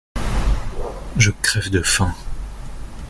Je crève de faim.